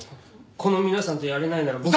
この皆さんとやれないなら僕も。